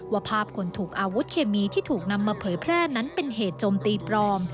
ว่าภาพคนถูกอาวุธเคมีที่ถูกนำมาเผยแพร่นั้นเป็นเหตุโจมตีปลอม